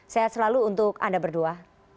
sehat selalu untuk anda berdua